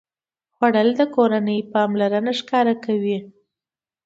خوړل د کورنۍ پاملرنه ښکاره کوي